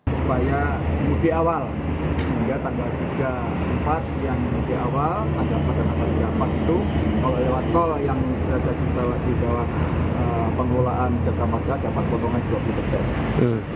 supaya mudik awal sehingga tanggal tiga dan empat yang mudik awal tanggal empat dan empat itu kalau lewat tol yang diadakan di dalam pengelolaan jasa marga dapat potongan dua puluh persen